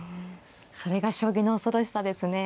それが将棋の恐ろしさですね。